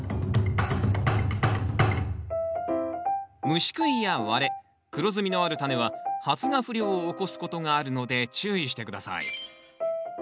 虫食いや割れ黒ずみのあるタネは発芽不良を起こすことがあるので注意して下さい。